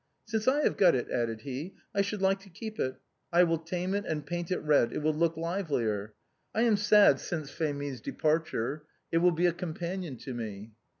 Since I have got it," added he, " I should like to keep it ; I will tame it and paint it red, it will look livelier. I am sad since Phémie's departure; it will be a companion to me."